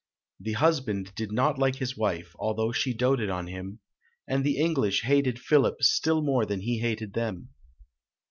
The husband did not like his wife, although she doted on him; and the English hated Philip still more than he hated them.